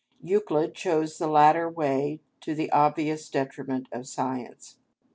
Euclid chose the latter way to the obvious detriment of the science.